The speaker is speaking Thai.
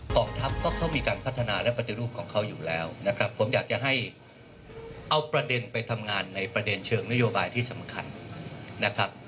ทัพก็เขามีการพัฒนาและปฏิรูปของเขาอยู่แล้วนะครับผมอยากจะให้เอาประเด็นไปทำงานในประเด็นเชิงนโยบายที่สำคัญนะครับ